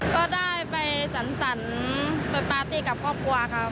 ก็ได้ไปสรรไปพร้อมกับครอบครัวค่ะ